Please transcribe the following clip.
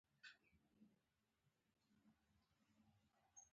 بل بنده ښېګڼه وکړي دی هم ښېګڼه وکړي.